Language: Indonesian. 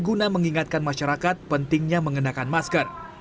guna mengingatkan masyarakat pentingnya mengenakan masker